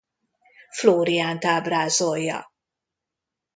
Flóriánt ábrázolja.